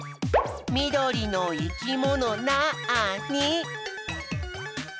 みどりのいきものなに？